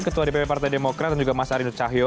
ketua dpp partai demokrat dan juga mas ari nur cahyo